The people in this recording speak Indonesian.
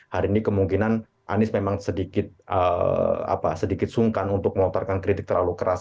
hari ini kemungkinan anies memang sedikit sungkan untuk melontarkan kritik terlalu keras